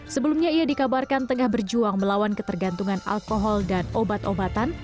sebelumnya ia dikabarkan tengah berjuang melawan ketergantungan alkohol dan obat obatan